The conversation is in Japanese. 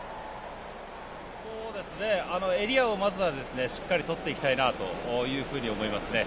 エリアをまずはしっかりとっていきたいと思いますね。